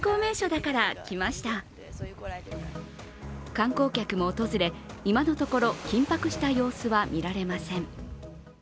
観光客も訪れ、今のところ、緊迫した様子は見られません。